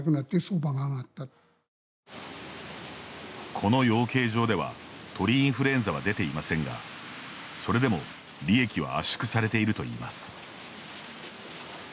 この養鶏場では鳥インフルエンザは出ていませんがそれでも利益は圧縮されているといいます。